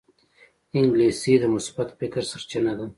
انګلیسي د مثبت فکر سرچینه ده